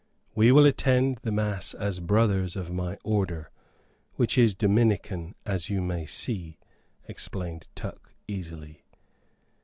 "We will attend the Mass as brothers of my order, which is Dominican, as you may see," explained Tuck, easily.